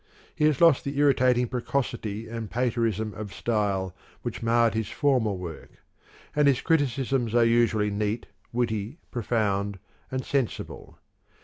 He has lost the irritating precocity and paterism of style which marred his former work ; and his criticisms are usually neat, witty, profound, and sensible.